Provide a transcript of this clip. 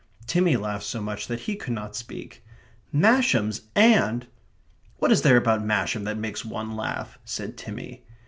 Timmy laughed so much that he could not speak. "Masham's aunt..." "What is there about Masham that makes one laugh?" said Timmy.